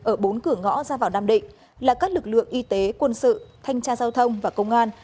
ở bốn cửa ngõ ra vào nam định là các lực lượng y tế quân sự thanh tra giao thông và công an